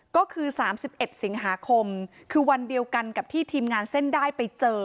ก็คือ๓๑สิงหาคมคือวันเดียวกันกับที่ทีมงานเส้นได้ไปเจอ